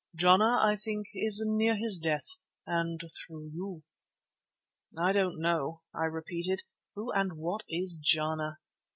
Jana, I think, is near his death and through you." "I don't know," I repeated. "Who and what is Jana?"